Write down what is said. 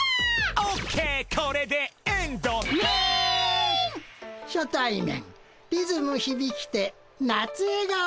「オッケーこれでエンド」「メーン」「初対面リズムひびきて夏えがお」。